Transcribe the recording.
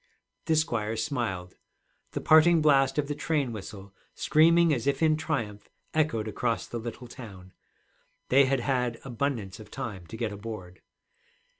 The squire smiled. The parting blast of the train whistle, screaming as if in triumph, echoed across the little town. They had had abundance of time to get aboard.